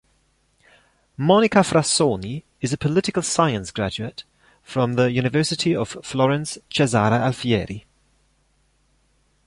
Monica Frassoni is a Political Science graduate from the University of Florence Cesare Alfieri.